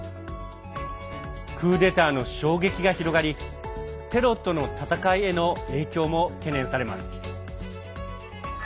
クーデターの衝撃が広がりテロとの戦いへの影響も懸念されます。